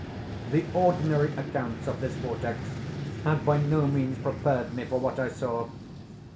The ordinary accounts of this vortex had by no means prepared me for what I saw.